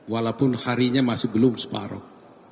walaupun harinya masih belum separoh